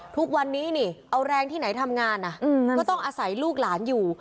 ทุกวันนี้นี่เอาแรงที่ไหนทำงานก็ต้องอาศัยลูกหลานอยู่